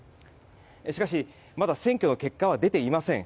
しかし、まだ選挙の結果は出ていません。